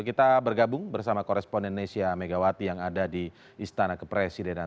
kita bergabung bersama koresponden nesya megawati yang ada di istana kepresidenan